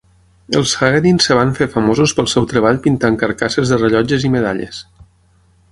Els Huguenin es van fer famosos pel seu treball pintant carcasses de rellotges i medalles.